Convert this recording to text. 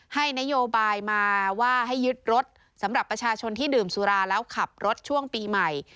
ให้นโยบายมาว่าให้ยึดรถสำหรับประชาชนที่ดื่มสุราแล้วขับรถช่วงปีใหม่